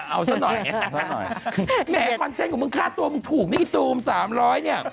เอาซะหน่อยแหมคอนเซนต์ของมึงค่าตัวมึงถูกนี่ตูม๓๐๐เนี่ย